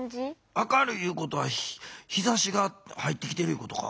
明るいいうことは日ざしが入ってきてるいうことか？